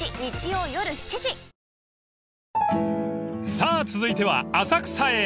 ［さあ続いては浅草へ］